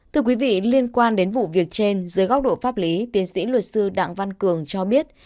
thưa quý vị liên quan đến vụ việc trên dưới góc độ pháp lý tiến sĩ luật sư đặng văn cường cho biết